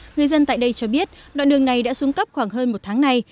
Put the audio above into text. người dân tại đây cho biết đoạn đường này đã xuống cấp khoảng hơn một tháng nay